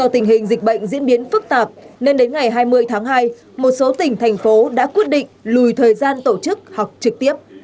tình hình dịch bệnh diễn biến phức tạp nên đến ngày hai mươi tháng hai một số tỉnh thành phố đã quyết định lùi thời gian tổ chức học trực tiếp